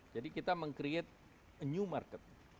jadi kita meng create a new market